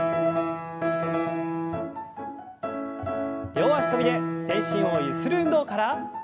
両脚跳びで全身をゆする運動から。